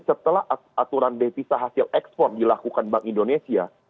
setelah aturan devisa hasil ekspor dilakukan bank indonesia